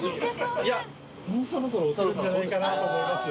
いやもうそろそろ落ちるんじゃないかなと思います。